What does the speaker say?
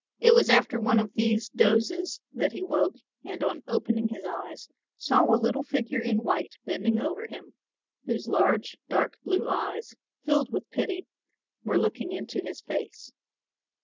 It was after one of these dozes that he woke and, on opening his eyes, saw a little figure in white bending over him, whose large dark blue eyes, filled with pity, were looking into his face.